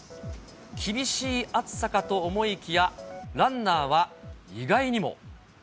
厳しい暑さかと思いきや、ランナーは意外にも。